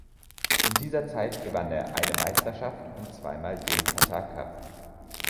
In dieser Zeit gewann er eine Meisterschaft und zweimal den Qatar Cup.